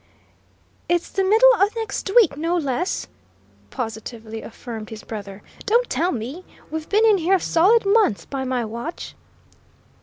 "It's the middle o' next week; no less!" positively affirmed his brother. "Don't tell me! We've been in here a solid month, by my watch!"